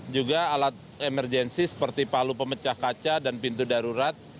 juga alat emergensi seperti palu pemecah kaca dan pintu darurat